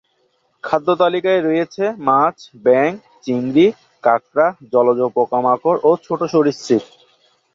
খাদ্যতালিকায় রয়েছে মাছ, ব্যাঙ, চিংড়ি, কাঁকড়া, জলজ পোকামাকড় ও ছোট সরীসৃপ।